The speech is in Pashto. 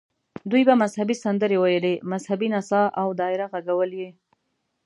دوی به مذهبي سندرې ویلې، مذهبي نڅا او دایره غږول یې.